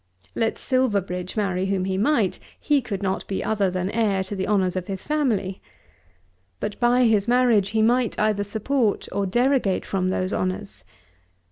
Let Silverbridge marry whom he might, he could not be other than heir to the honours of his family. But by his marriage he might either support or derogate from these honours.